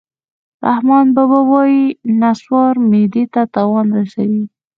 رحمان بابا وایي: نصوار معدې ته تاوان رسوي